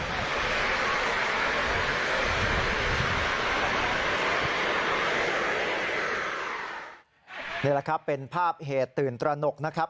นี่แหละครับเป็นภาพเหตุตื่นตัวเนี่ย